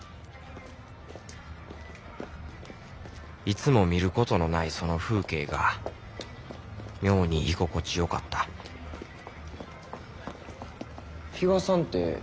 いつも見ることのないその風景が妙に居心地よかった比嘉さんて元ヤン？